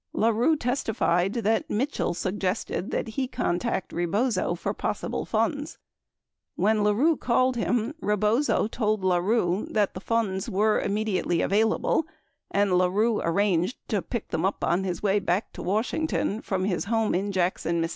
79 La Rue testified that Mitchell suggested that he contact Rebozo for possible funds. 80 When La Rue called him, Rebozo told La Rue that the funds were immediately available, and La Rue arranged to pick them up on his way back to Washington from his home in Jackson, Miss.